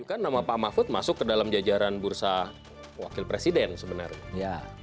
kan nama pak mahfud masuk ke dalam jajaran bursa wakil presiden sebenarnya